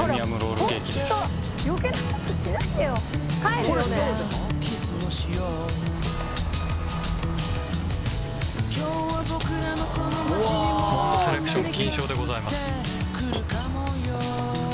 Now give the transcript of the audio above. モンドセレクション金賞でございます。